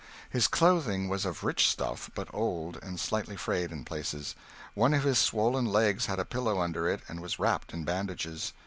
His clothing was of rich stuff, but old, and slightly frayed in places. One of his swollen legs had a pillow under it, and was wrapped in bandages.